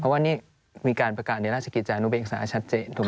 เพราะว่านี่มีการประกาศในราชกิจจานุเบกษาชัดเจนถูกไหม